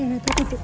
ayo neta duduk